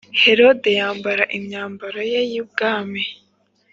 Herode yambara imyambaro ye y ubwami